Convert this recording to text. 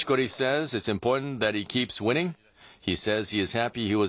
そうですね。